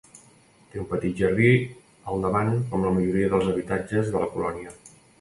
Té un petit jardí al davant com la majoria dels habitatges de la colònia.